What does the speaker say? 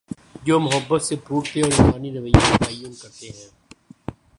جومحبت سے پھوٹتے اور انسانی رویے کا تعین کر تے ہیں۔